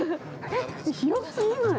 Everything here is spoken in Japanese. ◆広すぎない？